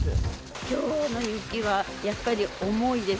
きょうの雪は、やっぱり重いです。